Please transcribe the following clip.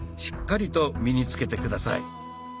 しっかりと身につけて下さい。